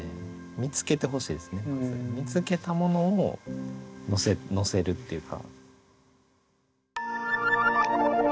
見つけたものをのせるっていうか。